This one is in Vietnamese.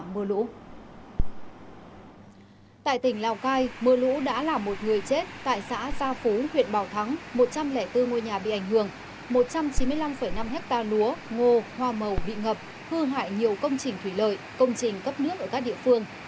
tại mưa lũ đã làm một người chết tại xã gia phú huyện bảo thắng một trăm linh bốn ngôi nhà bị ảnh hưởng một trăm chín mươi năm năm hectare lúa ngô hoa màu bị ngập hư hại nhiều công trình thủy lợi công trình cấp nước ở các địa phương